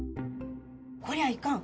「こりゃいかん。